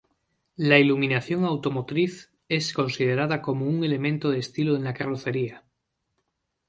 La Iluminación automotriz es considerada como un elemento de estilo en la carrocería.